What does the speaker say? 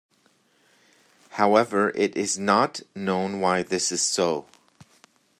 However, it is not known why this is so.